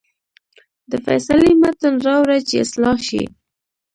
د فیصلې متن راوړه چې اصلاح شي.